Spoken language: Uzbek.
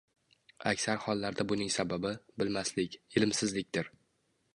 Aksar hollarda buning sababi – bilmaslik – ilmsizlikdir.